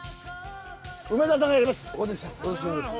梅沢さんがやります。